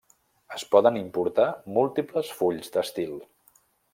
Es poden importar múltiples fulls d'estil.